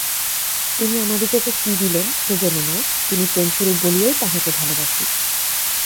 তিনি আমাদিগকে কি দিলেন সেজন্য নয়, তিনি প্রেমস্বরূপ বলিয়াই তাঁহাকে ভালবাসি।